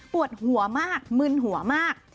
ปวดหัวมากมึนหัวมาก